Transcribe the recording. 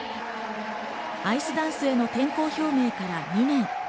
アイスダンスへの転向表明から２年。